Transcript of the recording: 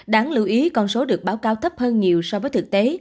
đáng lưu ý con số được báo cáo thấp hơn nhiều so với thực tế